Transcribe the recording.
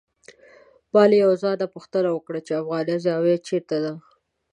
ما له یو ځوان نه پوښتنه وکړه چې افغانیه زاویه چېرته ده.